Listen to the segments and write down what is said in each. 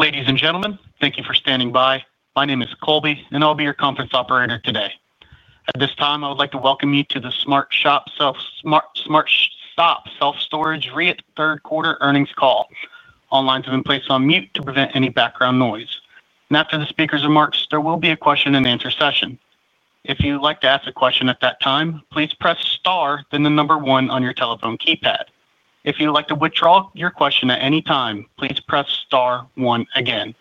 Ladies and gentlemen, thank you for standing by. My name is Colby, and I'll be your conference operator today. At this time, I would like to welcome you to the SmartStop Self Storage REIT third-quarter earnings call. All lines have been placed on mute to prevent any background noise. After the speakers are marked, there will be a question-and-answer session. If you'd like to ask a question at that time, please press star, then the number one on your telephone keypad. If you'd like to withdraw your question at any time, please press star one again.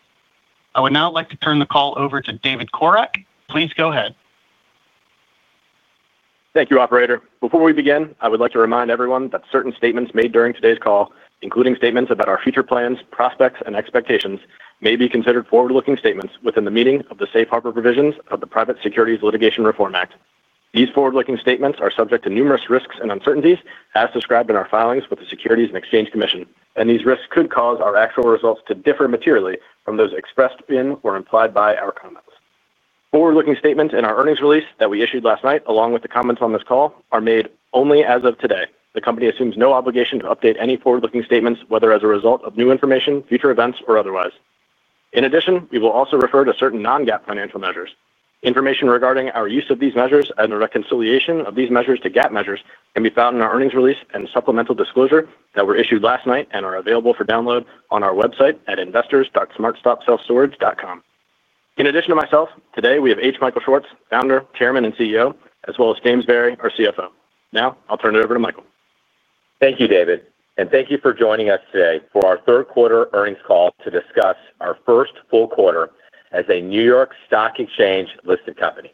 I would now like to turn the call over to David Corak. Please go ahead. Thank you, Operator. Before we begin, I would like to remind everyone that certain statements made during today's call, including statements about our future plans, prospects, and expectations, may be considered forward-looking statements within the meaning of the safe harbor provisions of the Private Securities Litigation Reform Act. These forward-looking statements are subject to numerous risks and uncertainties, as described in our filings with the Securities and Exchange Commission, and these risks could cause our actual results to differ materially from those expressed in or implied by our comments. Forward-looking statements in our earnings release that we issued last night, along with the comments on this call, are made only as of today. The company assumes no obligation to update any forward-looking statements, whether as a result of new information, future events, or otherwise. In addition, we will also refer to certain non-GAAP financial measures. Information regarding our use of these measures and the reconciliation of these measures to GAAP measures can be found in our earnings release and supplemental disclosure that were issued last night and are available for download on our website at investors.smartstopselfstorage.com. In addition to myself, today we have H. Michael Schwartz, founder, chairman, and CEO, as well as James Barry, our CFO. Now, I'll turn it over to Michael. Thank you, David, and thank you for joining us today for our third-quarter earnings call to discuss our first full quarter as a New York Stock Exchange-listed company.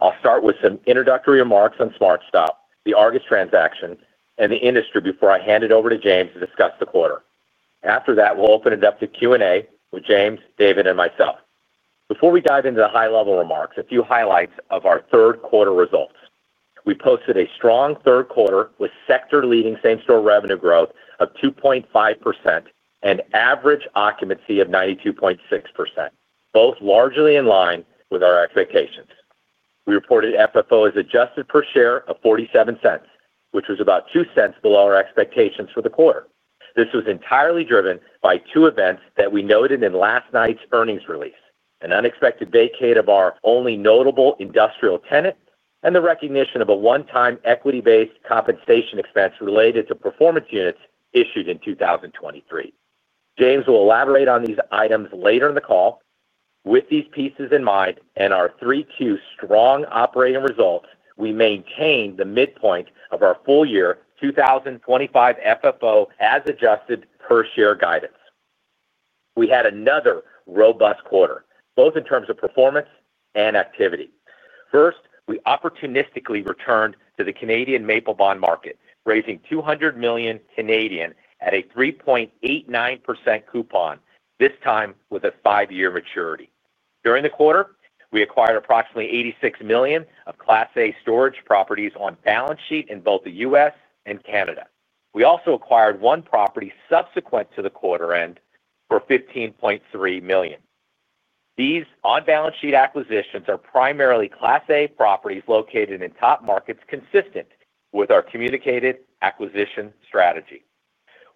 I'll start with some introductory remarks on SmartStop, the Argus transaction, and the industry before I hand it over to James to discuss the quarter. After that, we'll open it up to Q&A with James, David, and myself. Before we dive into the high-level remarks, a few highlights of our third-quarter results. We posted a strong third quarter with sector-leading same-store revenue growth of 2.5% and average occupancy of 92.6%, both largely in line with our expectations. We reported FFO as Adjusted per share of 47 cents, which was about 2 cents below our expectations for the quarter. This was entirely driven by two events that we noted in last night's earnings release: an unexpected vacate of our only notable industrial tenant and the recognition of a one-time equity-based compensation expense related to performance units issued in 2023. James will elaborate on these items later in the call. With these pieces in mind and our Q3 strong operating results, we maintained the midpoint of our full year 2025 FFO as Adjusted per share guidance. We had another robust quarter, both in terms of performance and activity. First, we opportunistically returned to the Canadian maple bond market, raising 200 million Canadian dollars at a 3.89% coupon, this time with a five-year maturity. During the quarter, we acquired approximately $86 million of Class A storage properties on balance sheet in both the U.S. and Canada. We also acquired one property subsequent to the quarter end for $15.3 million. These on-balance sheet acquisitions are primarily Class A properties located in top markets consistent with our communicated acquisition strategy.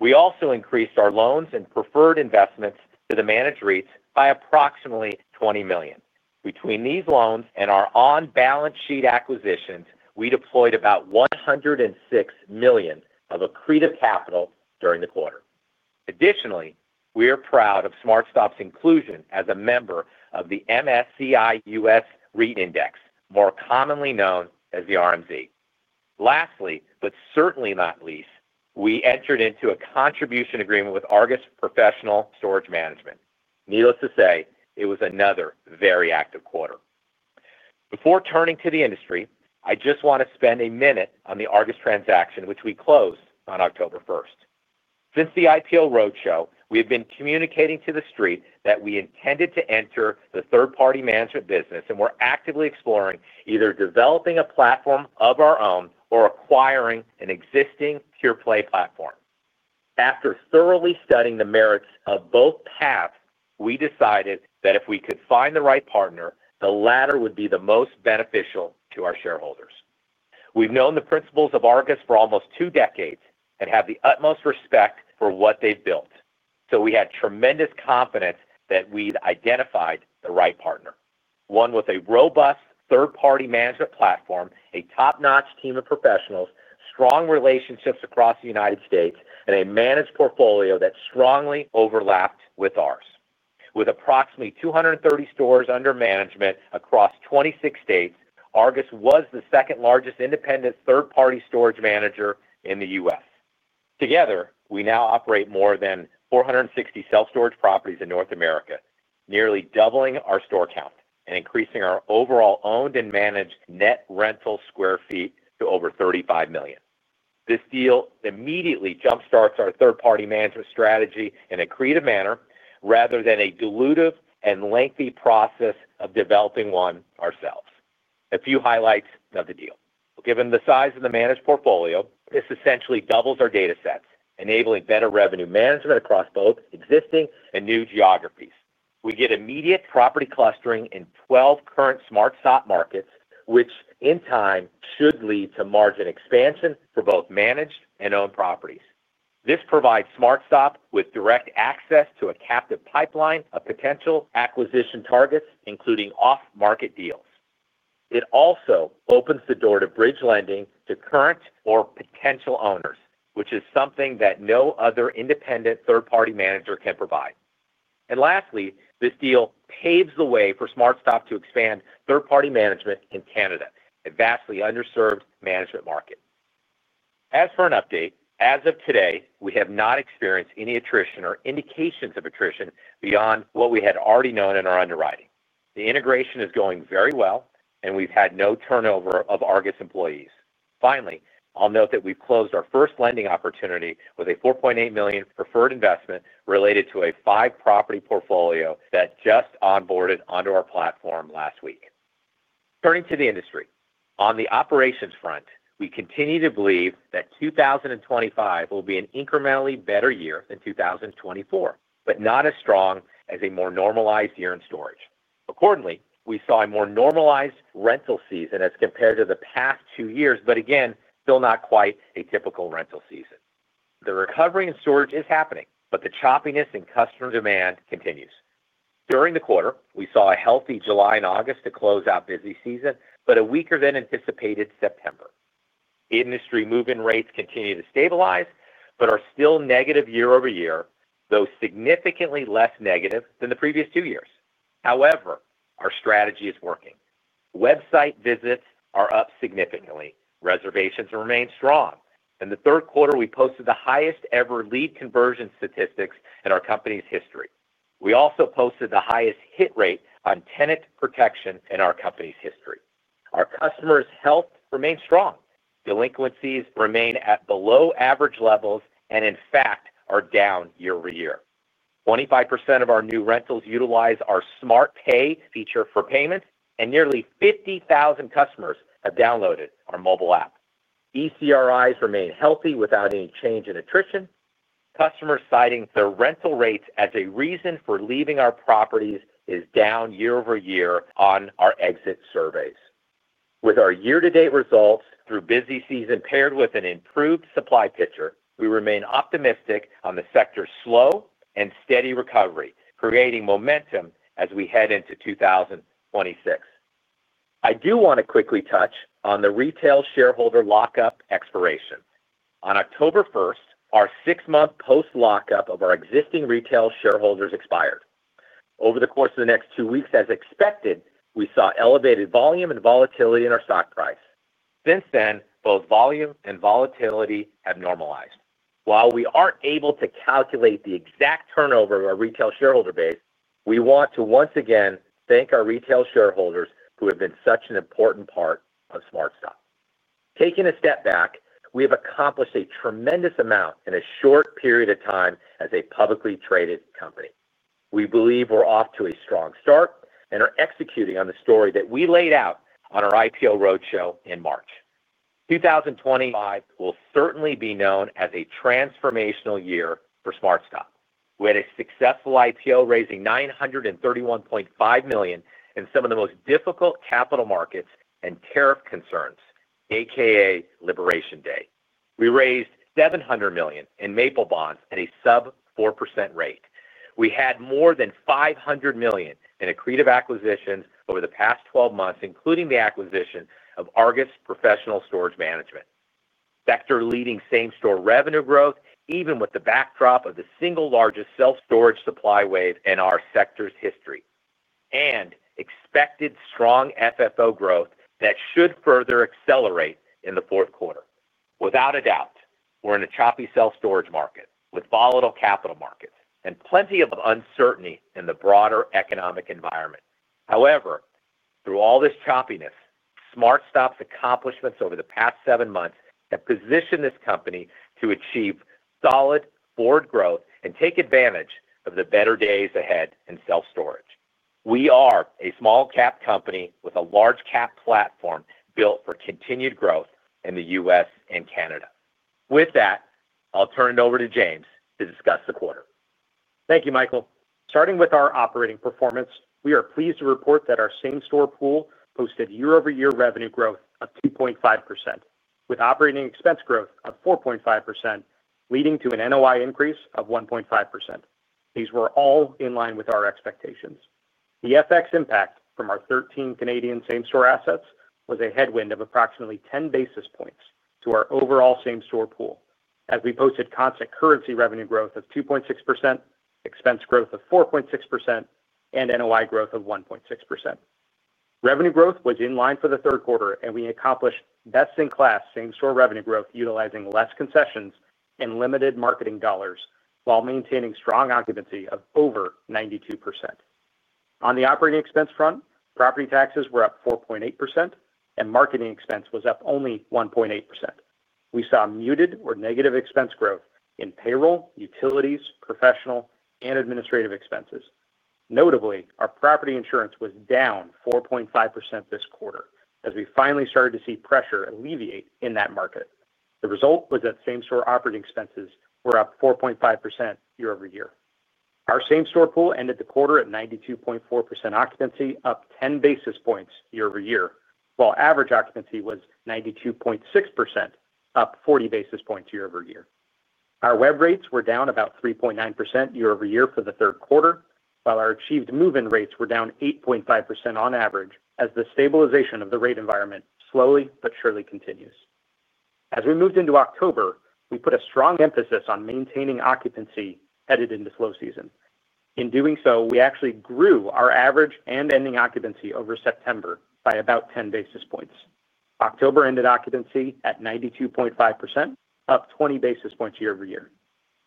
We also increased our loans and preferred investments to the managed REITs by approximately $20 million. Between these loans and our on-balance sheet acquisitions, we deployed about $106 million of accretive capital during the quarter. Additionally, we are proud of SmartStop's inclusion as a member of the MSCI US REIT Index, more commonly known as the RMZ. Lastly, but certainly not least, we entered into a contribution agreement with Argus Professional Storage Management. Needless to say, it was another very active quarter. Before turning to the industry, I just want to spend a minute on the Argus transaction, which we closed on October 1st, 2025. Since the IPO roadshow, we have been communicating to the street that we intended to enter the third-party management business and were actively exploring either developing a platform of our own or acquiring an existing pure-play platform. After thoroughly studying the merits of both paths, we decided that if we could find the right partner, the latter would be the most beneficial to our shareholders. We've known the principals of Argus for almost two decades and have the utmost respect for what they've built, so we had tremendous confidence that we'd identified the right partner: one with a robust third-party management platform, a top-notch team of professionals, strong relationships across the United States, and a managed portfolio that strongly overlapped with ours. With approximately 230 stores under management across 26 states, Argus was the second-largest independent third-party storage manager in the U.S. Together, we now operate more than 460 self-storage properties in North America, nearly doubling our store count and increasing our overall owned and managed net rental square feet to over 35 million. This deal immediately jump-starts our third-party management strategy in a creative manner rather than a dilutive and lengthy process of developing one ourselves. A few highlights of the deal: given the size of the managed portfolio, this essentially doubles our data sets, enabling better revenue management across both existing and new geographies. We get immediate property clustering in 12 current SmartStop markets, which in time should lead to margin expansion for both managed and owned properties. This provides SmartStop with direct access to a captive pipeline of potential acquisition targets, including off-market deals. It also opens the door to bridge lending to current or potential owners, which is something that no other independent third-party manager can provide. Lastly, this deal paves the way for SmartStop to expand third-party management in Canada, a vastly underserved management market. As for an update, as of today, we have not experienced any attrition or indications of attrition beyond what we had already known in our underwriting. The integration is going very well, and we've had no turnover of Argus employees. Finally, I'll note that we've closed our first lending opportunity with a $4.8 million preferred investment related to a five-property portfolio that just onboarded onto our platform last week. Turning to the industry, on the operations front, we continue to believe that 2025 will be an incrementally better year than 2024, but not as strong as a more normalized year in storage. Accordingly, we saw a more normalized rental season as compared to the past two years, but again, still not quite a typical rental season. The recovery in storage is happening, but the choppiness in customer demand continues. During the quarter, we saw a healthy July and August to close out busy season, but a weaker-than-anticipated September. Industry move-in rates continue to stabilize but are still negative year-over-year, though significantly less negative than the previous two years. However, our strategy is working. Website visits are up significantly, reservations remain strong, and the third quarter we posted the highest-ever lead conversion statistics in our company's history. We also posted the highest hit rate on tenant protection in our company's history. Our customers' health remains strong. Delinquencies remain at below-average levels and, in fact, are down year-over-year. 25% of our new rentals utilize our SmartPay feature for payment, and nearly 50,000 customers have downloaded our mobile app. ECRIs remain healthy without any change in attrition. Customers citing their rental rates as a reason for leaving our properties is down year-over-year on our exit surveys. With our year-to-date results through busy season paired with an improved supply picture, we remain optimistic on the sector's slow and steady recovery, creating momentum as we head into 2026. I do want to quickly touch on the retail shareholder lockup expiration. On October 1, our six-month post-lockup of our existing retail shareholders expired. Over the course of the next two weeks, as expected, we saw elevated volume and volatility in our stock price. Since then, both volume and volatility have normalized. While we aren't able to calculate the exact turnover of our retail shareholder base, we want to once again thank our retail shareholders who have been such an important part of SmartStop. Taking a step back, we have accomplished a tremendous amount in a short period of time as a publicly traded company. We believe we're off to a strong start and are executing on the story that we laid out on our IPO roadshow in March. 2025 will certainly be known as a transformational year for SmartStop. We had a successful IPO raising $931.5 million in some of the most difficult capital markets and tariff concerns, a.k.a. Liberation Day. We raised 700 million in maple bonds at a sub-4% rate. We had more than $500 million in accretive acquisitions over the past 12 months, including the acquisition of Argus Professional Storage Management. Sector-leading same-store revenue growth, even with the backdrop of the single largest self-storage supply wave in our sector's history, and expected strong FFO growth that should further accelerate in the fourth quarter. Without a doubt, we're in a choppy self-storage market with volatile capital markets and plenty of uncertainty in the broader economic environment. However, through all this choppiness, SmartStop's accomplishments over the past seven months have positioned this company to achieve solid forward growth and take advantage of the better days ahead in self-storage. We are a small-cap company with a large-cap platform built for continued growth in the U.S. and Canada. With that, I'll turn it over to James to discuss the quarter. Thank you, Michael. Starting with our operating performance, we are pleased to report that our same-store pool posted year-over-year revenue growth of 2.5%, with operating expense growth of 4.5%, leading to an NOI increase of 1.5%. These were all in line with our expectations. The FX impact from our 13 Canadian same-store assets was a headwind of approximately 10 basis points to our overall same-store pool, as we posted constant currency revenue growth of 2.6%, expense growth of 4.6%, and NOI growth of 1.6%. Revenue growth was in line for the third quarter, and we accomplished best-in-class same-store revenue growth utilizing less concessions and limited marketing dollars while maintaining strong occupancy of over 92%. On the operating expense front, property taxes were up 4.8%, and marketing expense was up only 1.8%. We saw muted or negative expense growth in payroll, utilities, professional, and administrative expenses. Notably, our property insurance was down 4.5% this quarter as we finally started to see pressure alleviate in that market. The result was that same-store operating expenses were up 4.5% year-over-year. Our same-store pool ended the quarter at 92.4% occupancy, up 10 basis points year-over-year, while average occupancy was 92.6%, up 40 basis points year-over-year. Our web rates were down about 3.9% year-over-year for the third quarter, while our achieved move-in rates were down 8.5% on average as the stabilization of the rate environment slowly but surely continues. As we moved into October, we put a strong emphasis on maintaining occupancy headed into slow season. In doing so, we actually grew our average and ending occupancy over September by about 10 basis points. October ended occupancy at 92.5%, up 20 basis points year-over-year.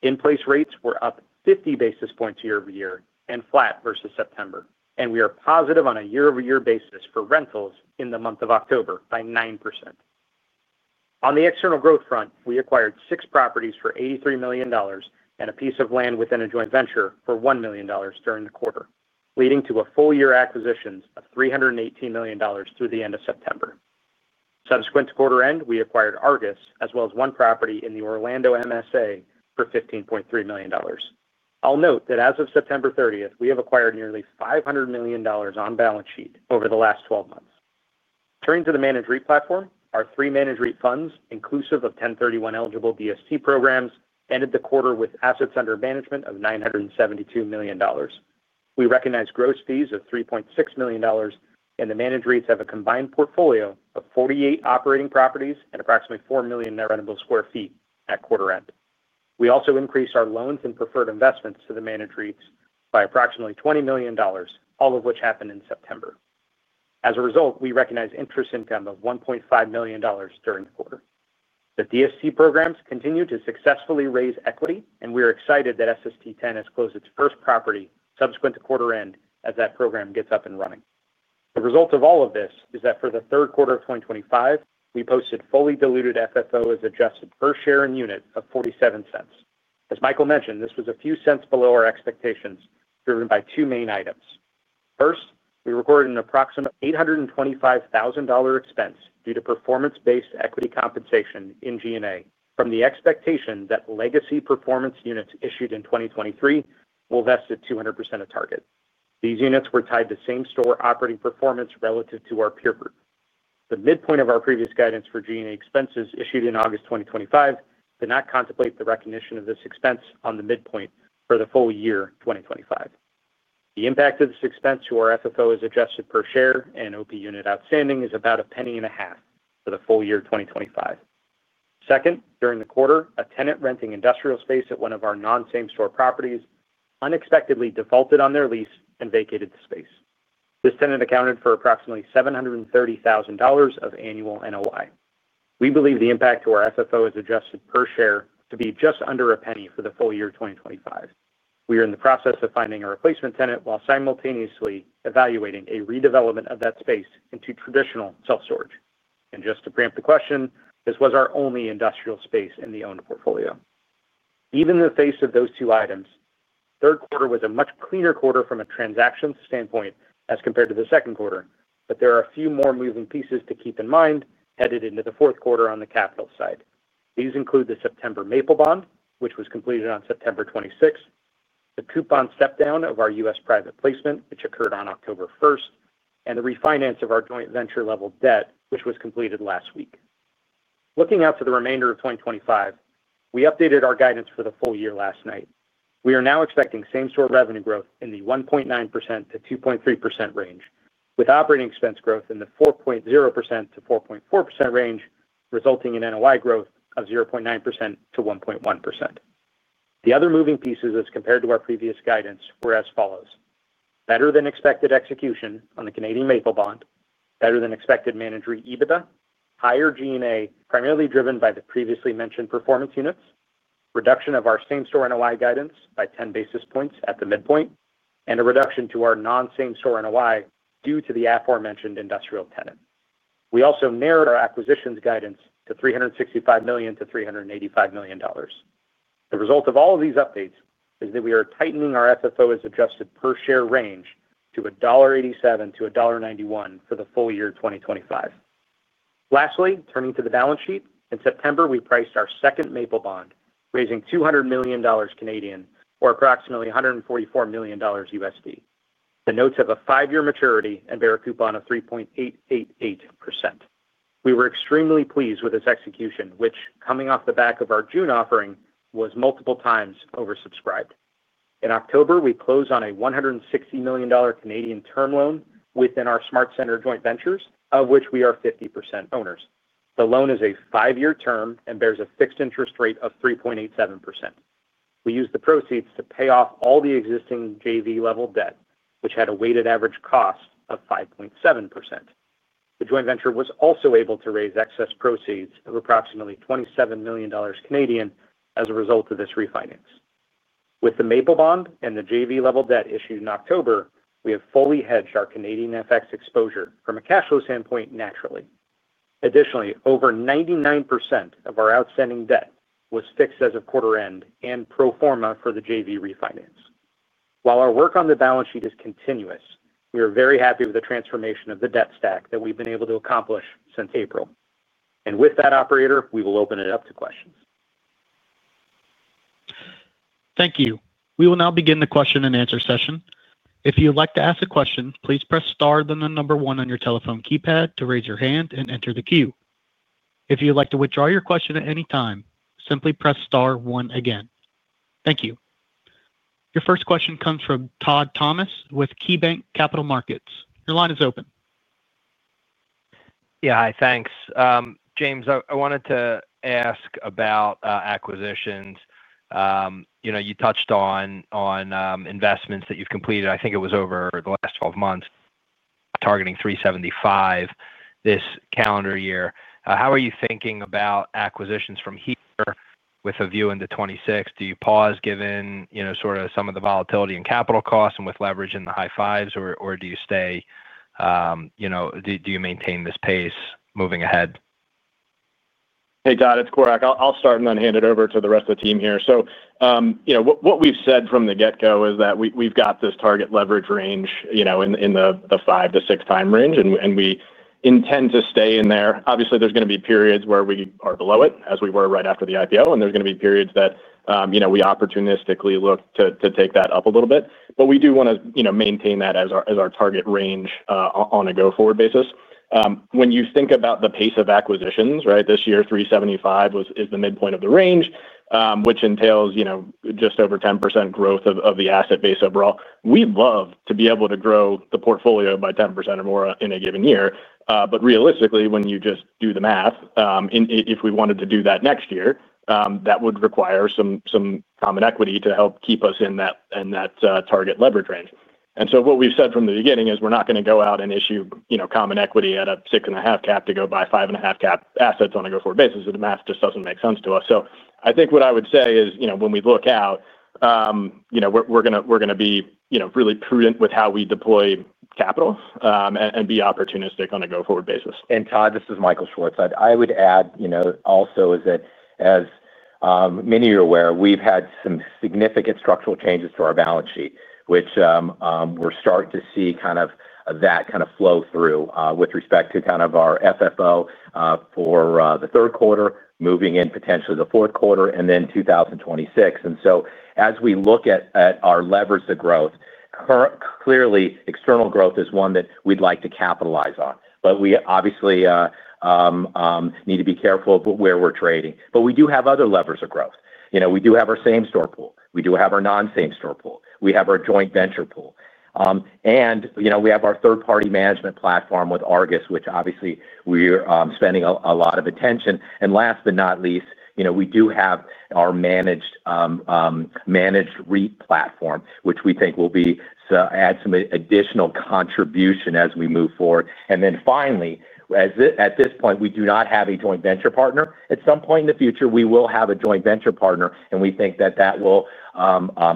In-place rates were up 50 basis points year-over-year and flat versus September, and we are positive on a year-over-year basis for rentals in the month of October by 9%. On the external growth front, we acquired six properties for $83 million and a piece of land within a joint venture for $1 million during the quarter, leading to full year acquisitions of $318 million through the end of September. Subsequent to quarter end, we acquired Argus as well as one property in the Orlando MSA for $15.3 million. I'll note that as of September 30, we have acquired nearly $500 million on balance sheet over the last 12 months. Turning to the managed REIT platform, our three managed REIT funds, inclusive of 1031-eligible DST programs, ended the quarter with assets under management of $972 million. We recognize gross fees of $3.6 million, and the managed REITs have a combined portfolio of 48 operating properties and approximately 4 million net rentable sq ft at quarter end. We also increased our loans and preferred investments to the managed REITs by approximately $20 million, all of which happened in September. As a result, we recognize interest income of $1.5 million during the quarter. The DST programs continue to successfully raise equity, and we are excited that SST10 has closed its first property subsequent to quarter end as that program gets up and running. The result of all of this is that for the third quarter of 2025, we posted fully diluted FFO as Adjusted per share and unit of $0.47. As Michael mentioned, this was a few cents below our expectations driven by two main items. First, we recorded an approximate $825,000 expense due to performance-based equity compensation in G&A from the expectation that legacy performance units issued in 2023 will vest at 200% of target. These units were tied to same-store operating performance relative to our peer group. The midpoint of our previous guidance for G&A expenses issued in August 2025 did not contemplate the recognition of this expense on the midpoint for the full year 2025. The impact of this expense to our FFO as Adjusted per share and OP unit outstanding is about a penny and a half for the full year 2025. Second, during the quarter, a tenant renting industrial space at one of our non-same-store properties unexpectedly defaulted on their lease and vacated the space. This tenant accounted for approximately $730,000 of annual NOI. We believe the impact to our FFO as Adjusted per share to be just under a penny for the full year 2025. We are in the process of finding a replacement tenant while simultaneously evaluating a redevelopment of that space into traditional self-storage. Just to preempt the question, this was our only industrial space in the owned portfolio. Even in the face of those two items, the third quarter was a much cleaner quarter from a transaction standpoint as compared to the second quarter. There are a few more moving pieces to keep in mind headed into the fourth quarter on the capital side. These include the September maple bond, which was completed on September 26, the coupon step-down of our US private placement, which occurred on October 1st, and the refinance of our joint venture-level debt, which was completed last week. Looking out to the remainder of 2025, we updated our guidance for the full year last night. We are now expecting same-store revenue growth in the 1.9%-2.3% range, with operating expense growth in the 4.0%-4.4% range, resulting in NOI growth of 0.9%-1.1%. The other moving pieces, as compared to our previous guidance, were as follows: better than expected execution on the Canadian maple bond, better than expected managed REIT EBITDA, higher G&A primarily driven by the previously mentioned performance units, reduction of our same-store NOI guidance by 10 basis points at the midpoint, and a reduction to our non-same-store NOI due to the aforementioned industrial tenant. We also narrowed our acquisitions guidance to $365 million-$385 million. The result of all of these updates is that we are tightening our FFO as Adjusted per share range to $1.87-$1.91 for the full year 2025. Lastly, turning to the balance sheet, in September, we priced our second maple bond, raising 200 million Canadian dollars or approximately $144 million USD, the notes have a five-year maturity and bearer coupon of 3.888%. We were extremely pleased with this execution, which, coming off the back of our June offering, was multiple times oversubscribed. In October, we closed on a 160 million Canadian dollars term loan within our SmartSenter joint ventures, of which we are 50% owners. The loan is a five-year term and bears a fixed interest rate of 3.87%. We used the proceeds to pay off all the existing JV-level debt, which had a weighted average cost of 5.7%. The joint venture was also able to raise excess proceeds of approximately 27 million Canadian dollars as a result of this refinance. With the maple bond and the JV-level debt issued in October, we have fully hedged our Canadian FX exposure from a cash flow standpoint naturally. Additionally, over 99% of our outstanding debt was fixed as of quarter end and pro forma for the JV refinance. While our work on the balance sheet is continuous, we are very happy with the transformation of the debt stack that we've been able to accomplish since April. With that, operator, we will open it up to questions. Thank you. We will now begin the question and answer session. If you'd like to ask a question, please press star then the number one on your telephone keypad to raise your hand and enter the queue. If you'd like to withdraw your question at any time, simply press star one again. Thank you. Your first question comes from Todd Thomas with KeyBanc Capital Markets. Your line is open. Yeah, hi, thanks. James, I wanted to ask about acquisitions. You touched on investments that you've completed. I think it was over the last 12 months, targeting $375 million this calendar year. How are you thinking about acquisitions from here with a view into 2026? Do you pause given sort of some of the volatility in capital costs and with leverage in the high fives, or do you stay. Do you maintain this pace moving ahead? Hey, Todd, it's Corak. I'll start and then hand it over to the rest of the team here. What we've said from the get-go is that we've got this target leverage range in the five to six time range, and we intend to stay in there. Obviously, there's going to be periods where we are below it, as we were right after the IPO, and there's going to be periods that we opportunistically look to take that up a little bit. We do want to maintain that as our target range on a go-forward basis. When you think about the pace of acquisitions, right, this year, 375 is the midpoint of the range, which entails just over 10% growth of the asset base overall. We'd love to be able to grow the portfolio by 10% or more in a given year. Realistically, when you just do the math. If we wanted to do that next year, that would require some common equity to help keep us in that target leverage range. What we've said from the beginning is we're not going to go out and issue common equity at a six and a half cap to go buy five and a half cap assets on a go-forward basis. The math just doesn't make sense to us. I think what I would say is when we look out. We're going to be really prudent with how we deploy capital and be opportunistic on a go-forward basis. Todd, this is Michael Schwartz. I would add also is that as many are aware, we've had some significant structural changes to our balance sheet, which we're starting to see kind of that kind of flow through with respect to kind of our FFO for the third quarter, moving in potentially the fourth quarter, and then 2026. As we look at our levers of growth, clearly, external growth is one that we'd like to capitalize on. We obviously need to be careful where we're trading. We do have other levers of growth. We do have our same-store pool. We do have our non-same-store pool. We have our joint venture pool. We have our third-party management platform with Argus, which obviously we're spending a lot of attention. Last but not least, we do have our managed. REIT platform, which we think will add some additional contribution as we move forward. Finally, at this point, we do not have a joint venture partner. At some point in the future, we will have a joint venture partner, and we think that that will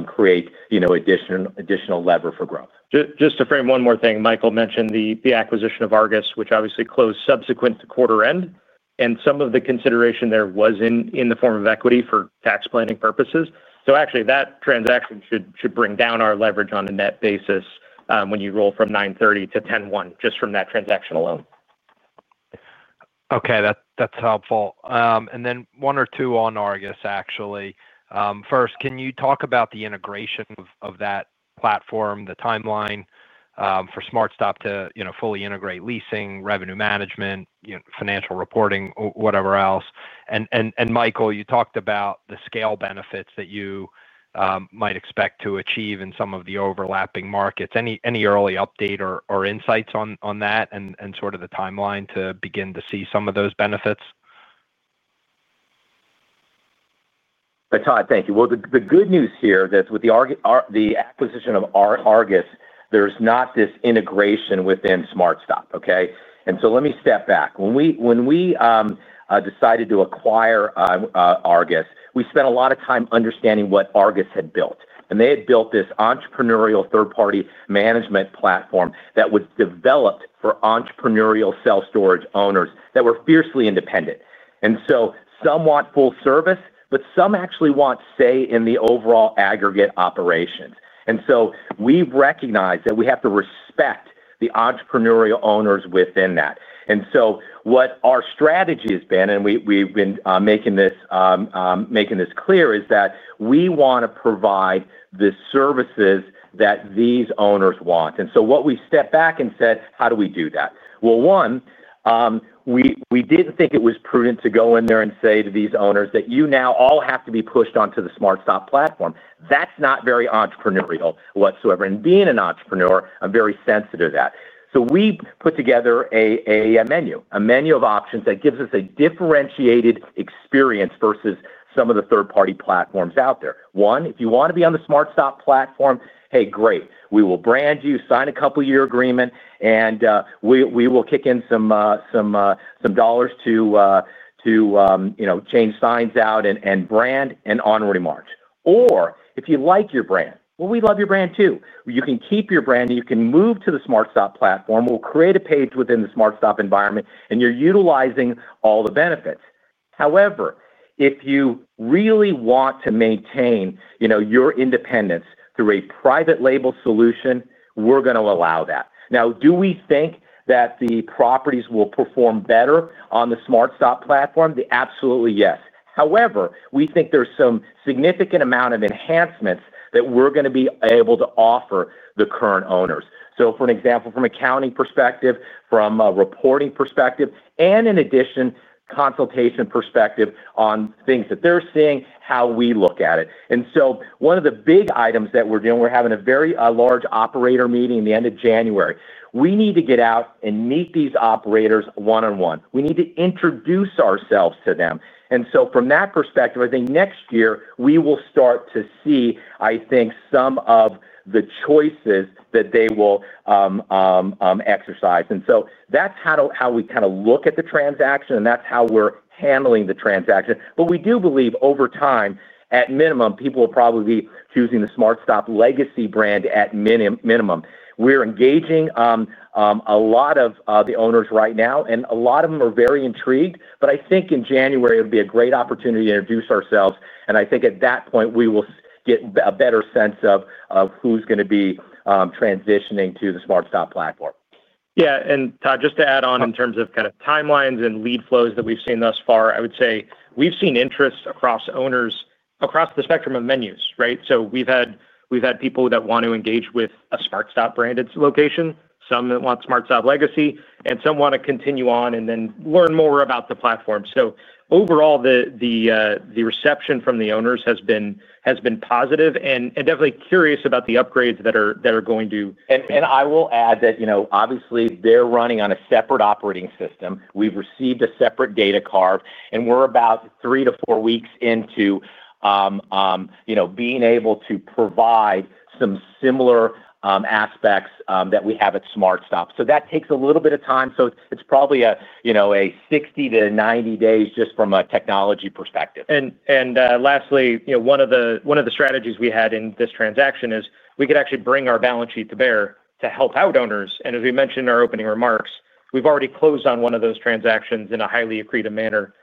create additional lever for growth. Just to frame one more thing, Michael mentioned the acquisition of Argus, which obviously closed subsequent to quarter end. Some of the consideration there was in the form of equity for tax planning purposes. Actually, that transaction should bring down our leverage on a net basis when you roll from 9/30 to 10/1 just from that transaction alone. Okay, that's helpful. One or two on Argus, actually. First, can you talk about the integration of that platform, the timeline for SmartStop to fully integrate leasing, revenue management, financial reporting, whatever else? Michael, you talked about the scale benefits that you might expect to achieve in some of the overlapping markets. Any early update or insights on that and sort of the timeline to begin to see some of those benefits? Todd, thank you. The good news here is that with the acquisition of Argus, there's not this integration within SmartStop, okay? Let me step back. When we decided to acquire Argus, we spent a lot of time understanding what Argus had built. They had built this entrepreneurial third-party management platform that was developed for entrepreneurial self-storage owners that were fiercely independent. Some want full service, but some actually want to stay in the overall aggregate operations. We recognize that we have to respect the entrepreneurial owners within that. What our strategy has been, and we've been making this clear, is that we want to provide the services that these owners want. What we stepped back and said, how do we do that? One. We didn't think it was prudent to go in there and say to these owners that you now all have to be pushed onto the SmartStop platform. That's not very entrepreneurial whatsoever. And being an entrepreneur, I'm very sensitive to that. We put together a menu, a menu of options that gives us a differentiated experience versus some of the third-party platforms out there. One, if you want to be on the SmartStop platform, hey, great. We will brand you, sign a couple-year agreement, and we will kick in some dollars to change signs out and brand and honorary marks. Or if you like your brand, we love your brand too. You can keep your brand. You can move to the SmartStop platform. We'll create a page within the SmartStop environment, and you're utilizing all the benefits. However, if you really want to maintain your independence through a private label solution, we're going to allow that. Now, do we think that the properties will perform better on the SmartStop platform? Absolutely, yes. However, we think there's some significant amount of enhancements that we're going to be able to offer the current owners. For an example, from an accounting perspective, from a reporting perspective, and in addition, consultation perspective on things that they're seeing, how we look at it. One of the big items that we're doing, we're having a very large operator meeting at the end of January. We need to get out and meet these operators one-on-one. We need to introduce ourselves to them. From that perspective, I think next year, we will start to see, I think, some of the choices that they will exercise. That's how we kind of look at the transaction, and that's how we're handling the transaction. We do believe over time, at minimum, people will probably be choosing the SmartStop legacy brand at minimum. We're engaging. A lot of the owners right now, and a lot of them are very intrigued. I think in January, it would be a great opportunity to introduce ourselves. I think at that point, we will get a better sense of who's going to be transitioning to the SmartStop platform. Yeah. Todd, just to add on in terms of kind of timelines and lead flows that we've seen thus far, I would say we've seen interest across owners, across the spectrum of menus, right? We've had people that want to engage with a SmartStop branded location, some that want SmartStop legacy, and some want to continue on and then learn more about the platform. Overall, the reception from the owners has been positive and definitely curious about the upgrades that are going to. I will add that obviously, they're running on a separate operating system. We've received a separate data card, and we're about three to four weeks into being able to provide some similar aspects that we have at SmartStop. That takes a little bit of time. It's probably a 60-90 days just from a technology perspective. Lastly, one of the strategies we had in this transaction is we could actually bring our balance sheet to bear to help out owners. As we mentioned in our opening remarks, we've already closed on one of those transactions in a highly accretive manner,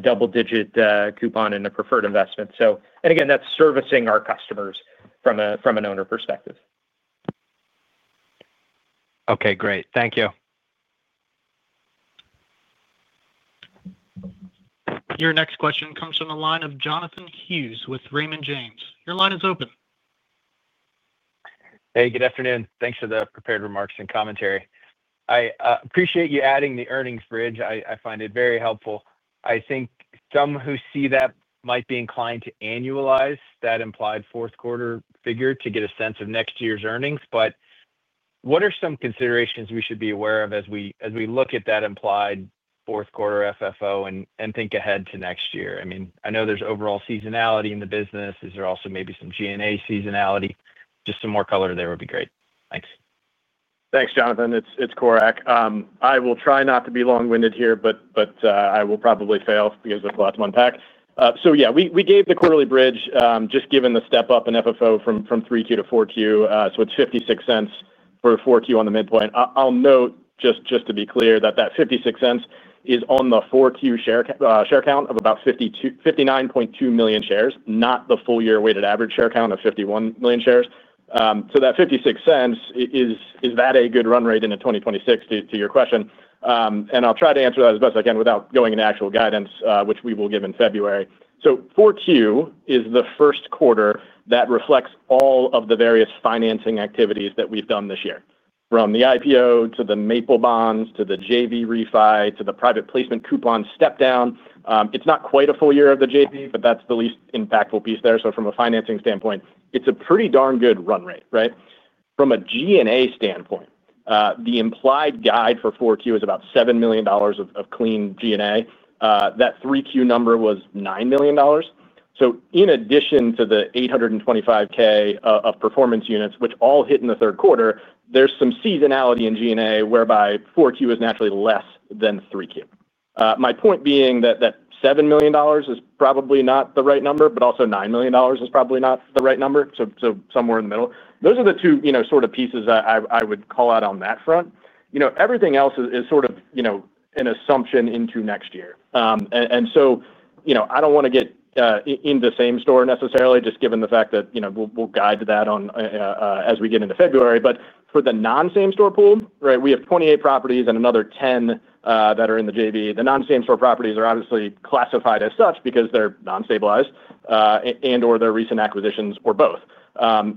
double-digit coupon and a preferred investment. Again, that's servicing our customers from an owner perspective. Okay, great. Thank you. Your next question comes from the line of Jonathan Hughes with Raymond James. Your line is open. Hey, good afternoon. Thanks for the prepared remarks and commentary. I appreciate you adding the earnings bridge. I find it very helpful. I think some who see that might be inclined to annualize that implied fourth-quarter figure to get a sense of next year's earnings. What are some considerations we should be aware of as we look at that implied fourth-quarter FFO and think ahead to next year? I mean, I know there is overall seasonality in the business. Is there also maybe some G&A seasonality? Just some more color there would be great. Thanks. Thanks, Jonathan. It's Corak. I will try not to be long-winded here, but I will probably fail because there's a lot to unpack. Yeah, we gave the quarterly bridge just given the step-up in FFO from 3Q to 4Q. It's $0.56 for 4Q on the midpoint. I'll note, just to be clear, that that $0.56 is on the 4Q share count of about 59.2 million shares, not the full-year weighted average share count of 51 million shares. That $0.56, is that a good run rate in 2026 to your question? I'll try to answer that as best I can without going into actual guidance, which we will give in February. 4Q is the first quarter that reflects all of the various financing activities that we've done this year, from the IPO to the Maple Bonds to the JV refi to the private placement coupon step-down. It's not quite a full year of the JV, but that's the least impactful piece there. From a financing standpoint, it's a pretty darn good run rate, right? From a G&A standpoint, the implied guide for 4Q is about $7 million of clean G&A. That 3Q number was $9 million. In addition to the $825,000 of performance units, which all hit in the third quarter, there's some seasonality in G&A whereby 4Q is naturally less than 3Q. My point being that $7 million is probably not the right number, but also $9 million is probably not the right number. Somewhere in the middle. Those are the two sort of pieces I would call out on that front. Everything else is sort of an assumption into next year. I do not want to get in the same store necessarily, just given the fact that we will guide to that as we get into February. For the non-same store pool, we have 28 properties and another 10 that are in the JV. The non-same store properties are obviously classified as such because they are non-stabilized and/or they are recent acquisitions or both.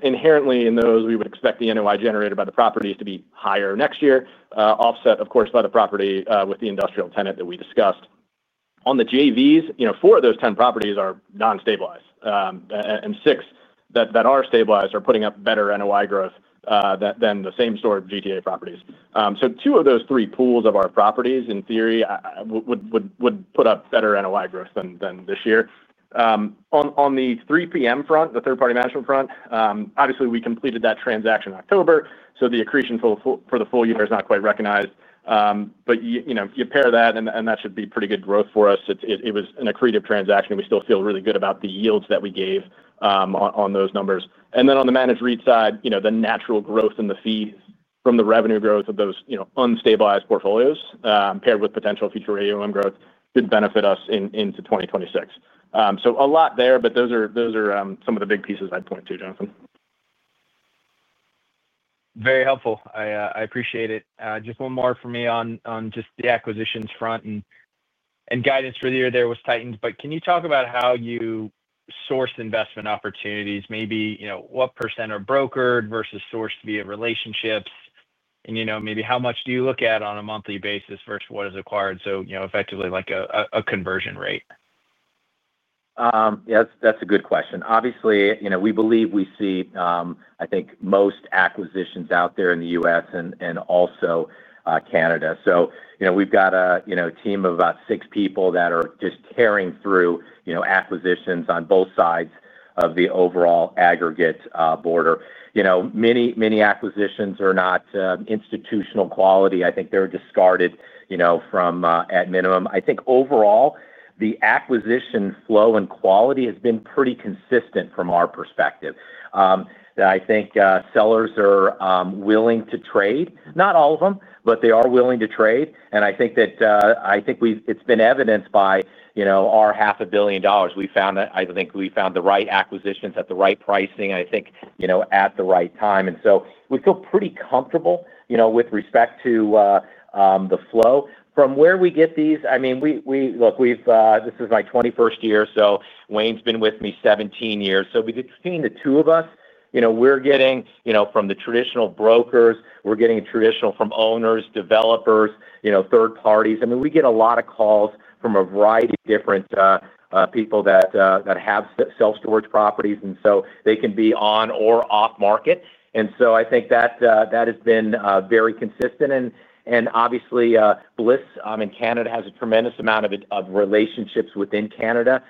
Inherently, in those, we would expect the NOI generated by the properties to be higher next year, offset, of course, by the property with the industrial tenant that we discussed. On the JVs, four of those 10 properties are non-stabilized. Six that are stabilized are putting up better NOI growth than the same store GTA properties. Two of those three pools of our properties, in theory, would put up better NOI growth than this year. On the 3PM front, the third-party management front, obviously, we completed that transaction in October. The accretion for the full year is not quite recognized. You pair that, and that should be pretty good growth for us. It was an accretive transaction. We still feel really good about the yields that we gave on those numbers. On the managed REIT side, the natural growth and the fees from the revenue growth of those unstabilized portfolios paired with potential future AOM growth could benefit us into 2026. A lot there, but those are some of the big pieces I'd point to, Jonathan. Very helpful. I appreciate it. Just one more for me on just the acquisitions front. Guidance for the year there was tightened. Can you talk about how you source investment opportunities? Maybe what percent are brokered versus sourced via relationships? Maybe how much do you look at on a monthly basis versus what is acquired? Effectively like a conversion rate. Yeah, that's a good question. Obviously, we believe we see, I think, most acquisitions out there in the U.S. and also Canada. We've got a team of about six people that are just tearing through acquisitions on both sides of the overall aggregate border. Many acquisitions are not institutional quality. I think they're discarded from at minimum. I think overall, the acquisition flow and quality has been pretty consistent from our perspective. I think sellers are willing to trade. Not all of them, but they are willing to trade. I think it's been evidenced by our $500,000,000. I think we found the right acquisitions at the right pricing, I think, at the right time. We feel pretty comfortable with respect to the flow. From where we get these, I mean, look, this is my 21st year. Wayne's been with me 17 years. Between the two of us, we're getting from the traditional brokers, we're getting traditional from owners, developers, third parties. I mean, we get a lot of calls from a variety of different people that have self-storage properties, and so they can be on or off market. I think that has been very consistent. Obviously, Bliss in Canada has a tremendous amount of relationships within Canada.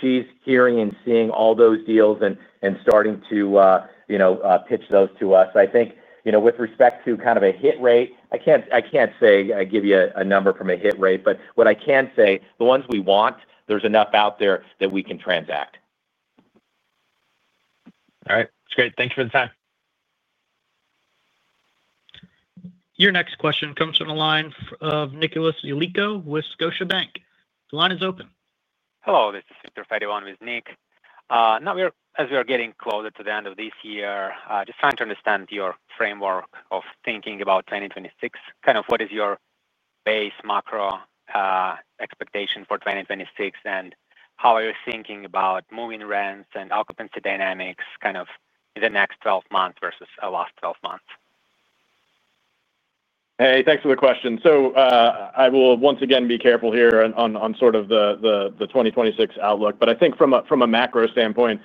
She's hearing and seeing all those deals and starting to pitch those to us. I think with respect to kind of a hit rate, I can't say I give you a number from a hit rate. What I can say, the ones we want, there's enough out there that we can transact. All right. That's great. Thank you for the time. Your next question comes from the line of Nicholas Yulico with Scotiabank. The line is open. Hello. This is Viktor Fediv on for Nick. As we are getting closer to the end of this year, just trying to understand your framework of thinking about 2026. Kind of what is your base macro expectation for 2026 and how are you thinking about moving rents and occupancy dynamics kind of in the next 12 months versus the last 12 months? Hey, thanks for the question. I will once again be careful here on sort of the 2026 outlook. I think from a macro standpoint,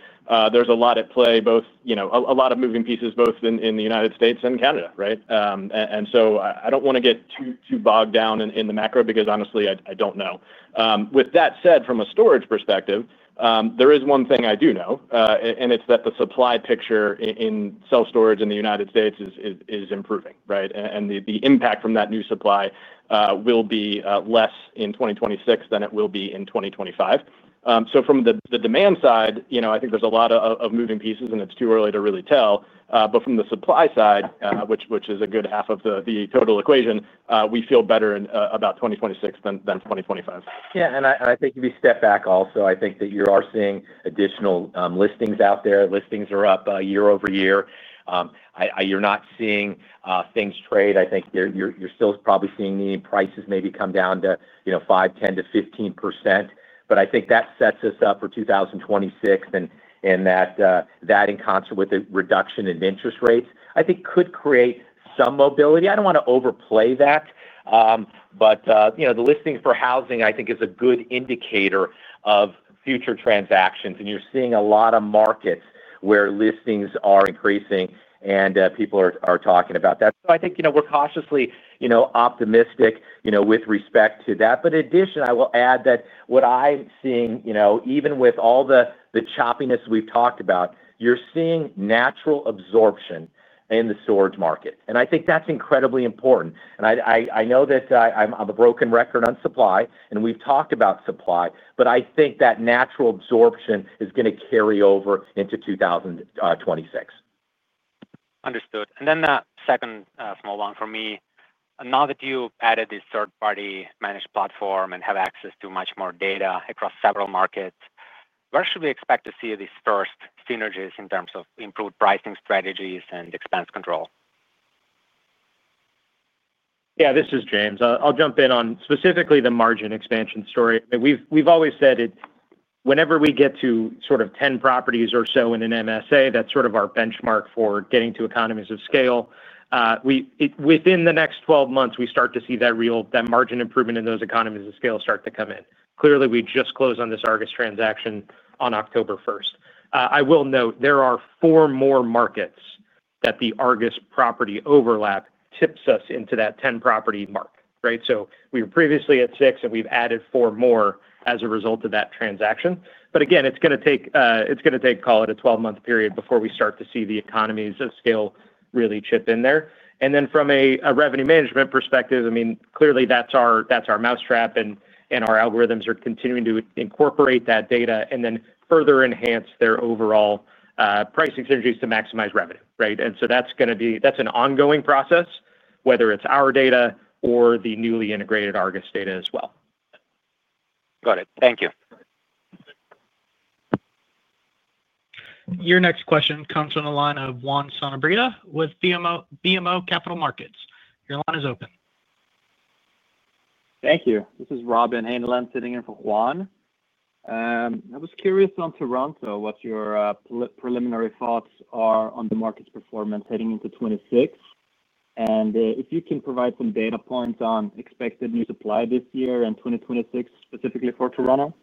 there's a lot at play, a lot of moving pieces, both in the U.S. and Canada, right? I don't want to get too bogged down in the macro because honestly, I don't know. With that said, from a storage perspective, there is one thing I do know, and it's that the supply picture in self-storage in the U.S. is improving, right? The impact from that new supply will be less in 2026 than it will be in 2025. From the demand side, I think there's a lot of moving pieces, and it's too early to really tell. From the supply side, which is a good half of the total equation, we feel better in about 2026 than 2025. Yeah. I think if you step back also, I think that you are seeing additional listings out there. Listings are up year-over-year. You're not seeing things trade. I think you're still probably seeing the prices maybe come down to 5-10-15%. I think that sets us up for 2026, and that in concert with the reduction in interest rates, I think could create some mobility. I do not want to overplay that. The listing for housing, I think, is a good indicator of future transactions. You're seeing a lot of markets where listings are increasing, and people are talking about that. I think we're cautiously optimistic with respect to that. In addition, I will add that what I'm seeing, even with all the choppiness we've talked about, you're seeing natural absorption in the storage market. I think that's incredibly important. I know that I'm a broken record on supply, and we've talked about supply, but I think that natural absorption is going to carry over into 2026. Understood. And then the second small one for me, now that you added this third-party managed platform and have access to much more data across several markets, where should we expect to see this first synergies in terms of improved pricing strategies and expense control? Yeah, this is James. I'll jump in on specifically the margin expansion story. We've always said whenever we get to sort of 10 properties or so in an MSA, that's sort of our benchmark for getting to economies of scale. Within the next 12 months, we start to see that margin improvement in those economies of scale start to come in. Clearly, we just closed on this Argus transaction on October 1st, 2025. I will note there are four more markets that the Argus property overlap tips us into that 10-property mark, right? We were previously at six, and we've added four more as a result of that transaction. Again, it's going to take, call it a 12-month period before we start to see the economies of scale really chip in there. From a revenue management perspective, I mean, clearly, that's our mousetrap, and our algorithms are continuing to incorporate that data and then further enhance their overall pricing synergies to maximize revenue, right? That's an ongoing process, whether it's our data or the newly integrated Argus data as well. Got it. Thank you. Your next question comes from the line of Juan Sanabria with BMO Capital Markets. Your line is open. Thank you. This is Robin Haneland sitting in for Juan. I was curious on Toronto what your preliminary thoughts are on the market's performance heading into 2026. And if you can provide some data points on expected new supply this year and 2026, specifically for Toronto. Yeah.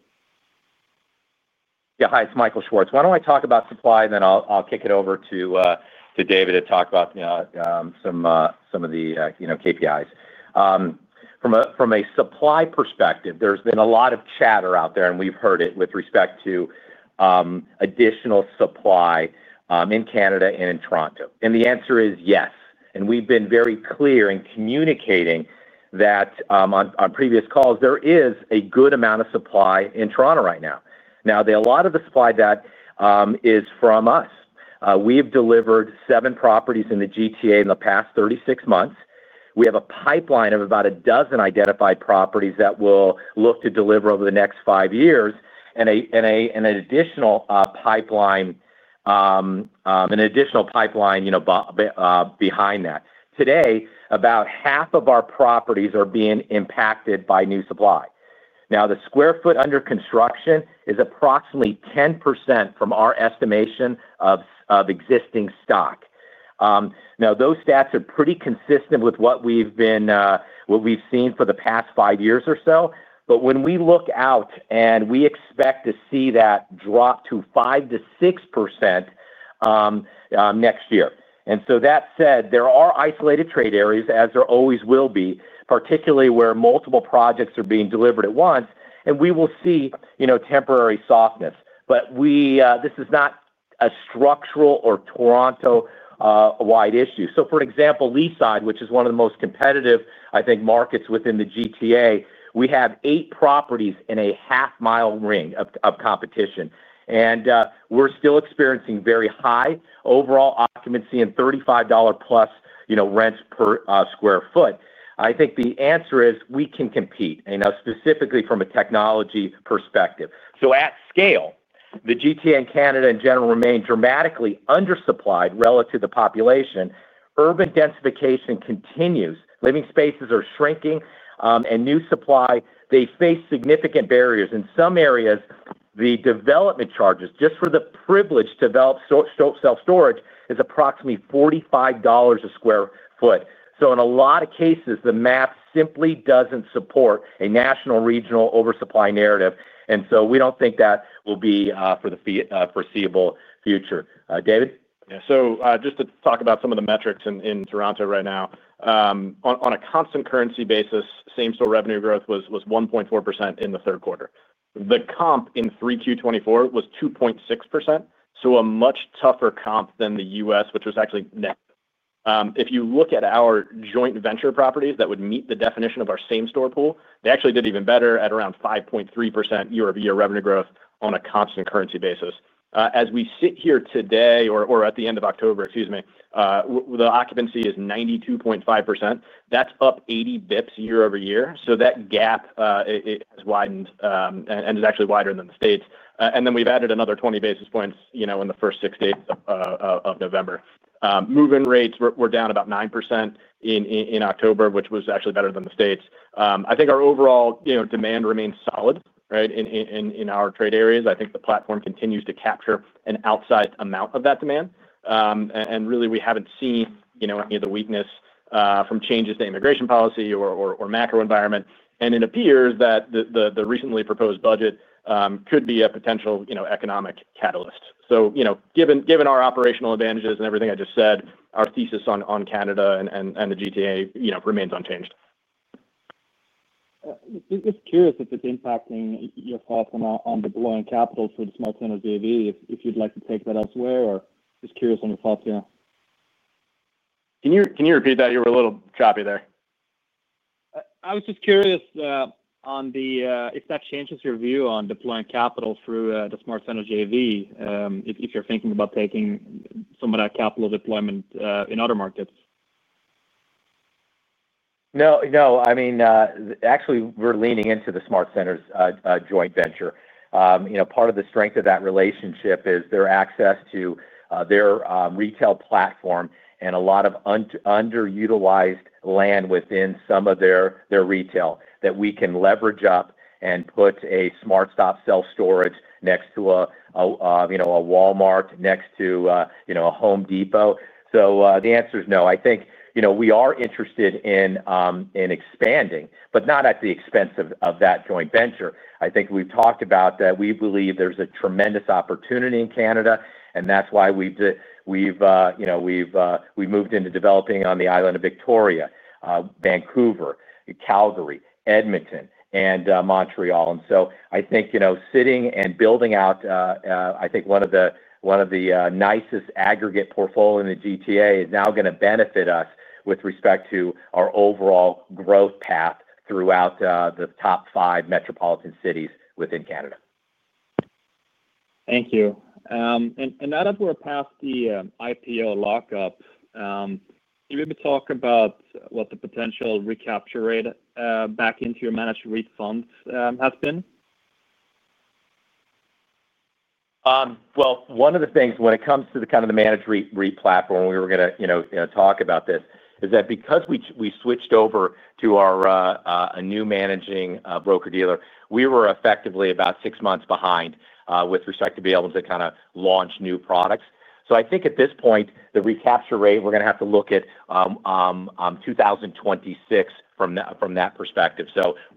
Hi, it's Michael Schwartz. Why don't I talk about supply, and then I'll kick it over to David to talk about some of the KPIs. From a supply perspective, there's been a lot of chatter out there, and we've heard it with respect to additional supply in Canada and in Toronto. The answer is yes. We've been very clear in communicating that. On previous calls, there is a good amount of supply in Toronto right now. A lot of the supply that is from us. We have delivered seven properties in the GTA in the past 36 months. We have a pipeline of about a dozen identified properties that we'll look to deliver over the next five years and an additional pipeline behind that. Today, about half of our properties are being impacted by new supply. Now, the sq ft under construction is approximately 10% from our estimation of existing stock. Now, those stats are pretty consistent with what we've seen for the past five years or so. When we look out, we expect to see that drop to 5-6% next year. That said, there are isolated trade areas, as there always will be, particularly where multiple projects are being delivered at once, and we will see temporary softness. This is not a structural or Toronto-wide issue. For example, Leaside, which is one of the most competitive, I think, markets within the GTA, we have eight properties in a half-mile ring of competition. We're still experiencing very high overall occupancy and $35-plus rents per sq ft. I think the answer is we can compete, specifically from a technology perspective. At scale, the GTA in Canada in general remains dramatically undersupplied relative to the population. Urban densification continues. Living spaces are shrinking. New supply, they face significant barriers. In some areas, the development charges just for the privilege to develop self-storage is approximately $45 a sq ft. In a lot of cases, the math simply does not support a national regional oversupply narrative. We do not think that will be for the foreseeable future. David? Yeah. Just to talk about some of the metrics in Toronto right now. On a constant currency basis, same-store revenue growth was 1.4% in the third quarter. The comp in 3Q 2024 was 2.6%. A much tougher comp than the U.S., which was actually net. If you look at our joint venture properties that would meet the definition of our same-store pool, they actually did even better at around 5.3% year-over-year revenue growth on a constant currency basis. As we sit here today or at the end of October, excuse me, the occupancy is 92.5%. That is up 80 basis points year-over-year. That gap has widened and is actually wider than the States. We have added another 20 basis points in the first six days of November. Moving rates were down about 9% in October, which was actually better than the States. I think our overall demand remains solid, right, in our trade areas. I think the platform continues to capture an outsized amount of that demand. Really, we have not seen any of the weakness from changes to immigration policy or macro environment. It appears that the recently proposed budget could be a potential economic catalyst. Given our operational advantages and everything I just said, our thesis on Canada and the GTA remains unchanged. Just curious if it's impacting your thoughts on deploying capital through the SmartSynergy AV, if you'd like to take that elsewhere, or just curious on your thoughts here. Can you repeat that? You were a little choppy there. I was just curious on if that changes your view on deploying capital through the SmartSynergy AV if you're thinking about taking some of that capital deployment in other markets. No, no. I mean, actually, we're leaning into the SmartSynergy joint venture. Part of the strength of that relationship is their access to their retail platform and a lot of underutilized land within some of their retail that we can leverage up and put a SmartStop self-storage next to a Walmart, next to a Home Depot. So the answer is no. I think we are interested in expanding, but not at the expense of that joint venture. I think we've talked about that we believe there's a tremendous opportunity in Canada, and that's why we've moved into developing on the island of Victoria, Vancouver, Calgary, Edmonton, and Montreal. I think sitting and building out, I think, one of the nicest aggregate portfolio in the GTA is now going to benefit us with respect to our overall growth path throughout the top five metropolitan cities within Canada. Thank you. Now that we're past the IPO lockup, can you maybe talk about what the potential recapture rate back into your managed REIT funds has been? One of the things when it comes to the kind of the managed REIT platform, we were going to talk about this, is that because we switched over to a new managing broker-dealer, we were effectively about six months behind with respect to be able to kind of launch new products. I think at this point, the recapture rate, we're going to have to look at 2026 from that perspective.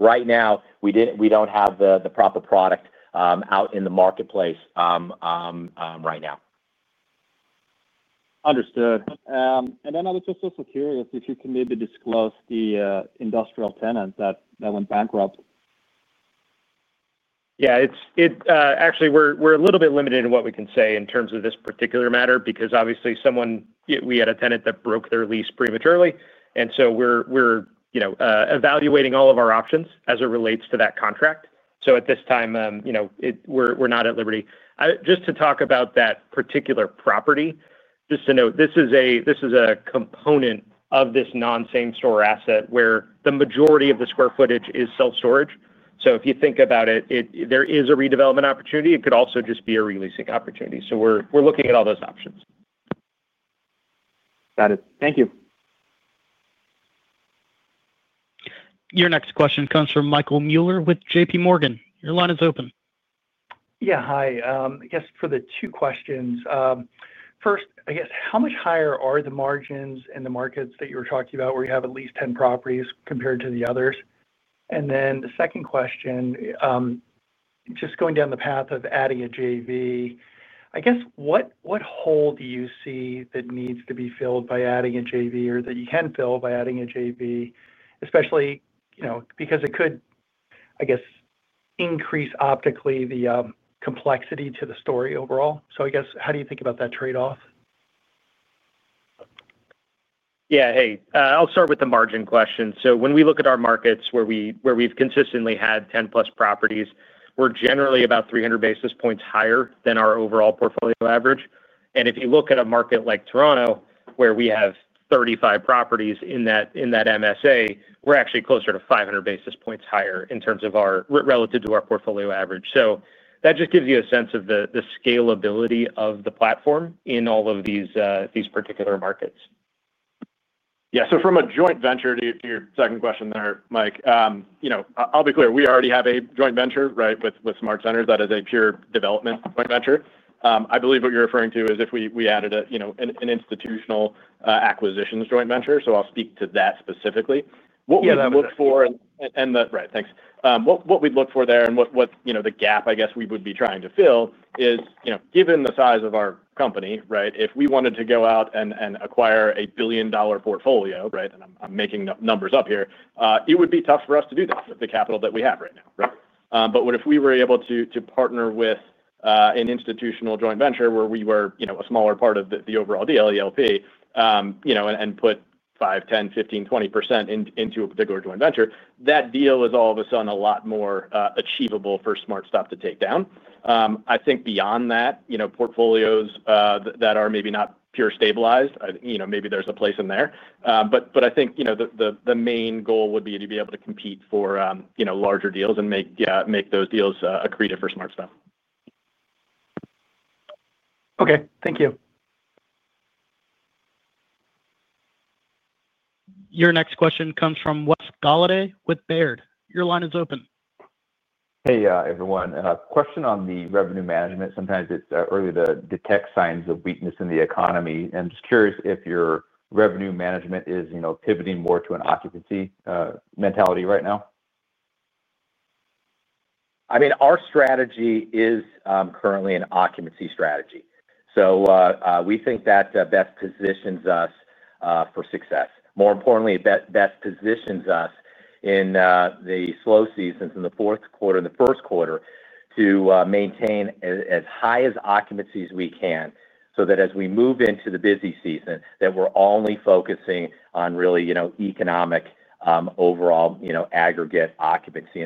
Right now, we don't have the proper product out in the marketplace right now. Understood. I was just also curious if you can maybe disclose the industrial tenant that went bankrupt. Yeah. Actually, we're a little bit limited in what we can say in terms of this particular matter because, obviously, we had a tenant that broke their lease prematurely. And so we're evaluating all of our options as it relates to that contract. At this time, we're not at liberty just to talk about that particular property. Just to note, this is a component of this non-same-store asset where the majority of the square footage is self-storage. If you think about it, there is a redevelopment opportunity. It could also just be a releasing opportunity. We're looking at all those options. Got it. Thank you. Your next question comes from Michael Mueller with JPMorgan. Your line is open. Yeah. Hi. I guess for the two questions. First, I guess, how much higher are the margins in the markets that you were talking about where you have at least 10 properties compared to the others? The second question, just going down the path of adding a JV, I guess, what hole do you see that needs to be filled by adding a JV or that you can fill by adding a JV, especially because it could, I guess, increase optically the complexity to the story overall? I guess, how do you think about that trade-off? Yeah. Hey, I'll start with the margin question. When we look at our markets where we've consistently had 10-plus properties, we're generally about 300 basis points higher than our overall portfolio average. If you look at a market like Toronto where we have 35 properties in that MSA, we're actually closer to 500 basis points higher relative to our portfolio average. That just gives you a sense of the scalability of the platform in all of these particular markets. Yeah. From a joint venture to your second question there, Mike, I'll be clear. We already have a joint venture, right, with SmartSynergy. That is a pure development joint venture. I believe what you're referring to is if we added an institutional acquisitions joint venture. I'll speak to that specifically. What we'd look for and the right. Thanks. What we'd look for there and the gap, I guess, we would be trying to fill is given the size of our company, right, if we wanted to go out and acquire a billion-dollar portfolio, right, and I'm making numbers up here, it would be tough for us to do that with the capital that we have right now, right? If we were able to partner with an institutional joint venture where we were a smaller part of the overall deal, ELP, and put 5%, 10%, 15%, 20% into a particular joint venture, that deal is all of a sudden a lot more achievable for SmartStop to take down. I think beyond that, portfolios that are maybe not pure stabilized, maybe there's a place in there. I think the main goal would be to be able to compete for. Larger deals and make those deals accretive for SmartStop. Okay. Thank you. Your next question comes from Wes Golladay with Baird. Your line is open. Hey, everyone. Question on the revenue management. Sometimes it's early to detect signs of weakness in the economy. I'm just curious if your revenue management is pivoting more to an occupancy mentality right now. I mean, our strategy is currently an occupancy strategy. We think that best positions us for success. More importantly, best positions us in the slow seasons in the fourth quarter and the first quarter to maintain as high as occupancies as we can so that as we move into the busy season, we're only focusing on really economic overall aggregate occupancy.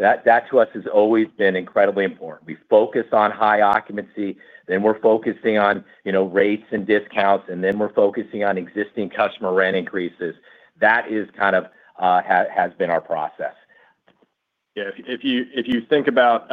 That, to us, has always been incredibly important. We focus on high occupancy, then we're focusing on rates and discounts, and then we're focusing on existing customer rent increases. That is kind of, has been our process. Yeah. If you think about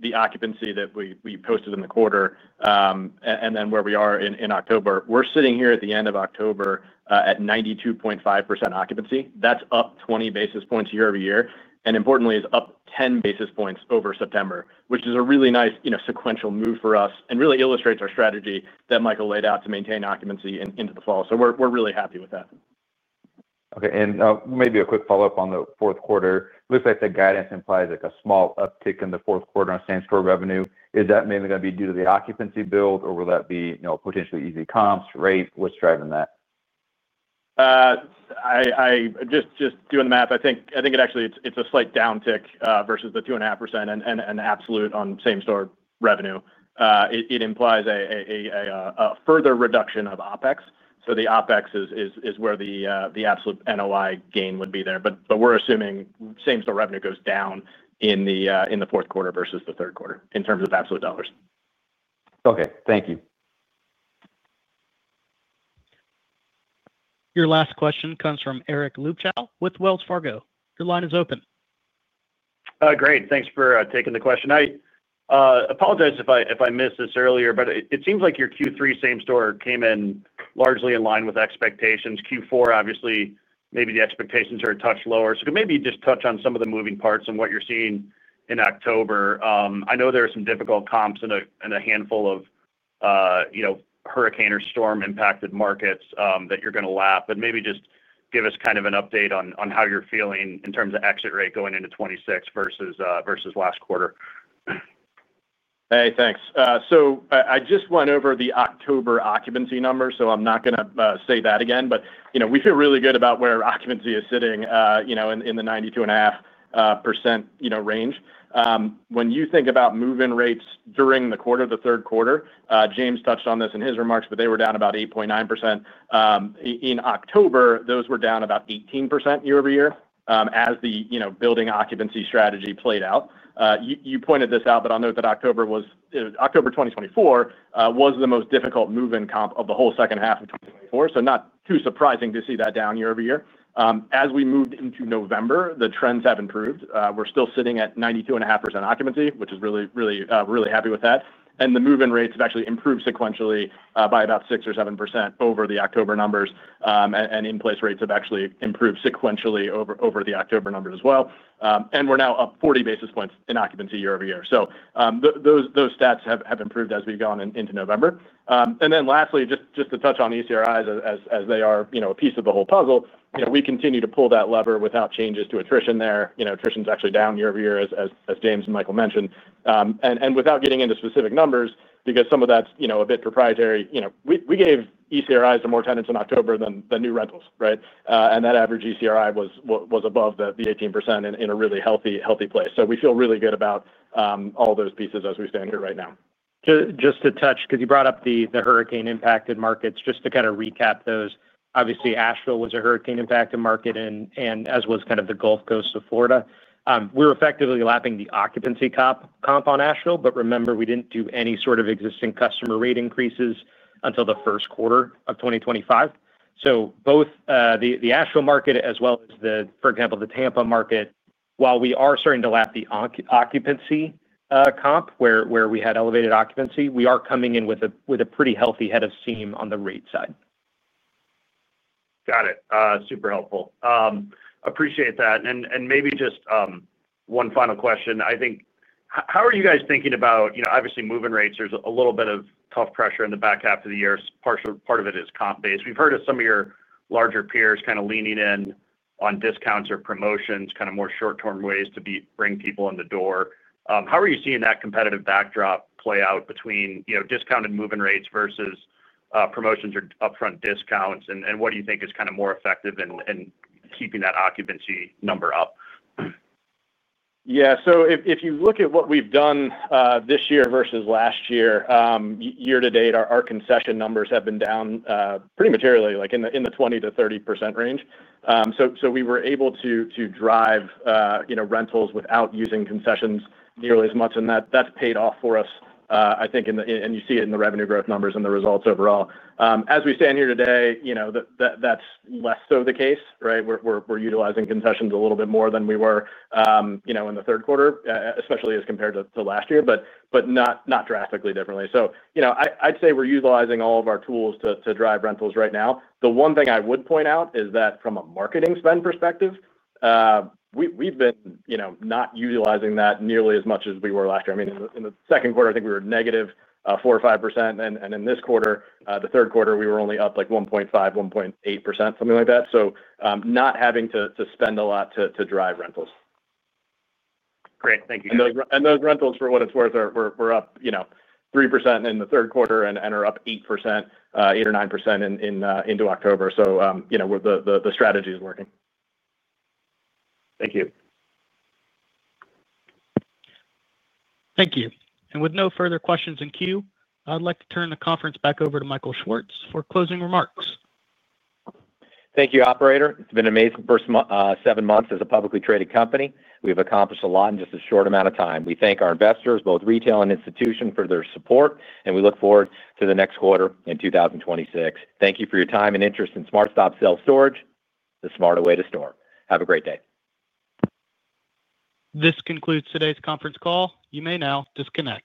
the occupancy that we posted in the quarter. And then where we are in October, we're sitting here at the end of October at 92.5% occupancy. That's up 20 basis points year-over-year. And importantly, it's up 10 basis points over September, which is a really nice sequential move for us and really illustrates our strategy that Michael laid out to maintain occupancy into the fall. So we're really happy with that. Okay. Maybe a quick follow-up on the fourth quarter. It looks like the guidance implies a small uptick in the fourth quarter on same-store revenue. Is that mainly going to be due to the occupancy build, or will that be potentially easy comps, rate? What's driving that? Just doing the math, I think it actually it's a slight downtick versus the 2.5% in absolute on same-store revenue. It implies a further reduction of OpEx. So the OpEx is where the absolute NOI gain would be there. But we're assuming same-store revenue goes down in the fourth quarter versus the third quarter in terms of absolute dollars. Okay. Thank you. Your last question comes from Eric Luebchow with Wells Fargo. Your line is open. Great. Thanks for taking the question. I apologize if I missed this earlier, but it seems like your Q3 same-store came in largely in line with expectations. Q4, obviously, maybe the expectations are a touch lower. Maybe you just touch on some of the moving parts and what you're seeing in October. I know there are some difficult comps and a handful of hurricane or storm-impacted markets that you're going to lap. Maybe just give us kind of an update on how you're feeling in terms of exit rate going into 2026 versus last quarter. Hey, thanks. I just went over the October occupancy numbers, so I'm not going to say that again. We feel really good about where occupancy is sitting in the 92.5% range. When you think about moving rates during the quarter, the third quarter, James touched on this in his remarks, but they were down about 8.9%. In October, those were down about 18% year-over-year as the building occupancy strategy played out. You pointed this out, but I'll note that October 2024 was the most difficult move-in comp of the whole second half of 2024. Not too surprising to see that down year-over-year. As we moved into November, the trends have improved. We're still sitting at 92.5% occupancy, which is really, really happy with that. The move-in rates have actually improved sequentially by about 6-7% over the October numbers. In-place rates have actually improved sequentially over the October numbers as well. We're now up 40 basis points in occupancy year-over-year. Those stats have improved as we've gone into November. Lastly, just to touch on ECRIs as they are a piece of the whole puzzle, we continue to pull that lever without changes to attrition there. Attrition is actually down year-over-year, as James and Michael mentioned. Without getting into specific numbers, because some of that is a bit proprietary, we gave ECRIs to more tenants in October than new rentals, right? That average ECRI was above the 18% in a really healthy place. We feel really good about all those pieces as we stand here right now. Just to touch, because you brought up the hurricane-impacted markets, just to kind of recap those, obviously, Asheville was a hurricane-impacted market, as was the Gulf Coast of Florida. We were effectively lapping the occupancy comp on Asheville, but remember, we did not do any sort of existing customer rate increases until the first quarter of 2025. Both the Asheville market as well as, for example, the Tampa market, while we are starting to lap the occupancy comp where we had elevated occupancy, we are coming in with a pretty healthy head of steam on the rate side. Got it. Super helpful. Appreciate that. Maybe just one final question. I think, how are you guys thinking about, obviously, moving rates? There's a little bit of tough pressure in the back half of the year. Part of it is comp-based. We've heard of some of your larger peers kind of leaning in on discounts or promotions, kind of more short-term ways to bring people in the door. How are you seeing that competitive backdrop play out between discounted moving rates versus promotions or upfront discounts? What do you think is kind of more effective in keeping that occupancy number up? Yeah. If you look at what we've done this year versus last year, year to date, our concession numbers have been down pretty materially, like in the 20-30% range. We were able to drive rentals without using concessions nearly as much. That has paid off for us, I think, and you see it in the revenue growth numbers and the results overall. As we stand here today, that's less so the case, right? We're utilizing concessions a little bit more than we were in the third quarter, especially as compared to last year, but not drastically differently. I'd say we're utilizing all of our tools to drive rentals right now. The one thing I would point out is that from a marketing spend perspective, we've been not utilizing that nearly as much as we were last year. I mean, in the second quarter, I think we were negative 4% or 5%. In this quarter, the third quarter, we were only up like 1.5%-1.8%, something like that. Not having to spend a lot to drive rentals. Great. Thank you. Those rentals, for what it's worth, were up 3% in the third quarter and are up 8%, 8 or 9% into October. The strategy is working. Thank you. Thank you. With no further questions in queue, I'd like to turn the conference back over to H. Michael Schwartz for closing remarks. Thank you, operator. It's been amazing for seven months as a publicly traded company. We've accomplished a lot in just a short amount of time. We thank our investors, both retail and institution, for their support, and we look forward to the next quarter in 2026. Thank you for your time and interest in SmartStop Self Storage REIT, the smarter way to store. Have a great day. This concludes today's conference call. You may now disconnect.